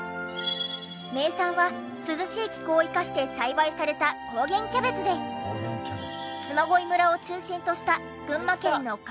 名産は涼しい気候を生かして栽培された高原キャベツで嬬恋村を中心とした群馬県の夏